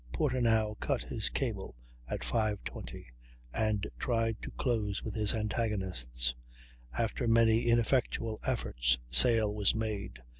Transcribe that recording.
Porter now cut his cable, at 5.20, and tried to close with his antagonists. After many ineffectual efforts sail was made.